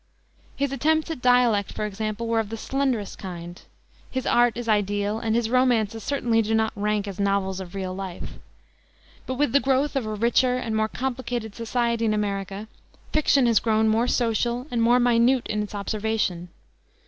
His attempts at dialect, for example, were of the slenderest kind. His art is ideal, and his romances certainly do not rank as novels of real life. But with the growth of a richer and more complicated society in America fiction has grown more social and more minute in its observation.